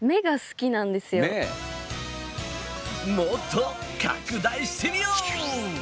もっと拡大してみよう！